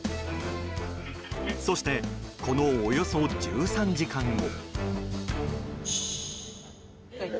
そしてこのおよそ１３時間後。